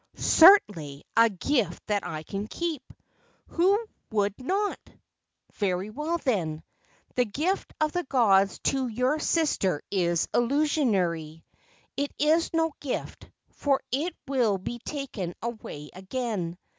"Certainly, a gift that I can keep. Who would not?" "Very well, then. The gift of the gods to your sister is illusory. It is no gift, for it will be taken away again.